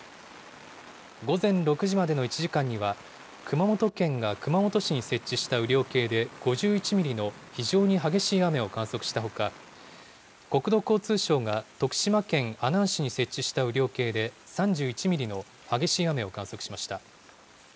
午前６時までの１時間には、熊本県が熊本市に設置した雨量計で５１ミリの非常に激しい雨を観測したほか、国土交通省が徳島県阿南市に設置した雨量計で３１ミリの激しい雨を観測しました。